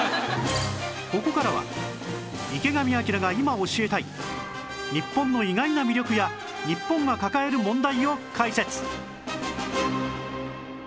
ここからは池上彰が今教えたい日本の意外な魅力や日本が抱える問題を解説